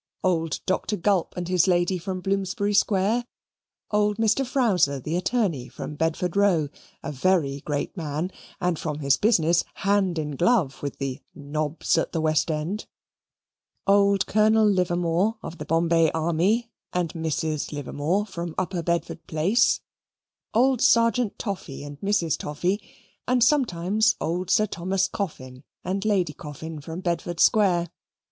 Old Dr. Gulp and his lady from Bloomsbury Square; old Mr. Frowser, the attorney, from Bedford Row, a very great man, and from his business, hand in glove with the "nobs at the West End"; old Colonel Livermore, of the Bombay Army, and Mrs. Livermore, from Upper Bedford Place; old Sergeant Toffy and Mrs. Toffy; and sometimes old Sir Thomas Coffin and Lady Coffin, from Bedford Square.